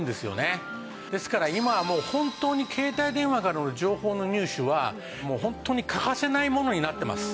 ですから今はもう本当に携帯電話からの情報の入手はホントに欠かせないものになってます。